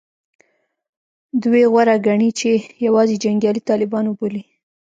دوی غوره ګڼي چې یوازې جنګیالي طالبان وبولي